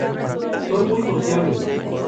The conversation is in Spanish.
Son muy sociables.